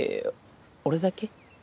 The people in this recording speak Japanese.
俺だけ？